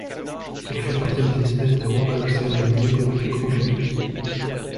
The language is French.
Elles font partie des espèces de rhopalocères les mieux connues du grand public.